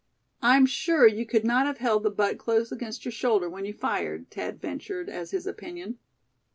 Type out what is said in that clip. "I'm sure you could not have held the butt close against your shoulder when you fired," Thad ventured, as his opinion.